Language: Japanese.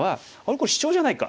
これシチョウじゃないか。